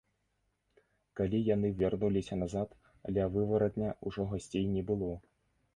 Калі яны вярнуліся назад, ля вываратня ўжо гасцей не было.